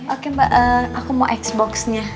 oke mbak aku mau x boxnya